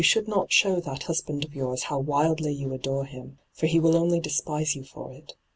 nh,G00^lc i64 ENTRAPPED not show that husband of yours how wildly you adore him, for he will only despise you for it.